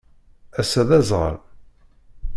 Assa d azɣal